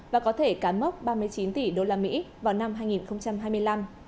và có thể cán mốc ba mươi chín tỷ usd vào năm hai nghìn hai mươi năm